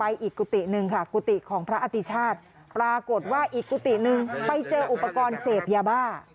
มียาบ้าโอ้โหนะครับ